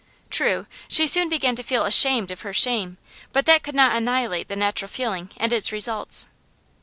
True, she soon began to feel ashamed of her shame, but that could not annihilate the natural feeling and its results.